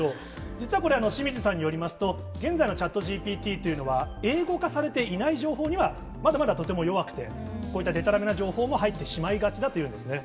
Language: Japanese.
実はこれ、清水さんによりますと、現在のＣｈａｔＧＰＴというのは英語化されていない情報には、まだまだとても弱くて、こういったでたらめな情報も入ってしまいがちだというんですね。